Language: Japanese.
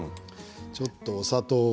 ちょっと砂糖を。